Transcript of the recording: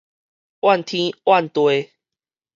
怨天怨地